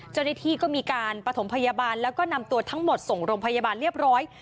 เจ้าหน้าที่ก็มีการประถมพยาบาลแล้วก็นำตัวทั้งหมดส่งโรงพยาบาลเรียบร้อย